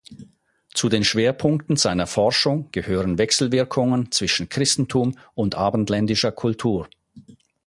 Zu den Schwerpunkten seiner Forschung gehören Wechselwirkungen zwischen Christentum und abendländischer Kultur.